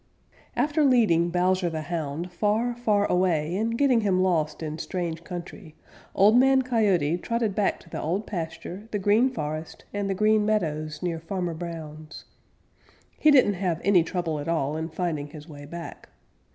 _ After leading Bowser the Hound far, far away and getting him lost in strange country, Old Man Coyote trotted back to the Old Pasture, the Green Forest, and the Green Meadows near Farmer Brown's. He didn't have any trouble at all in finding his way back.